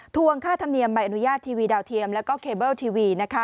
วงค่าธรรมเนียมใบอนุญาตทีวีดาวเทียมแล้วก็เคเบิลทีวีนะคะ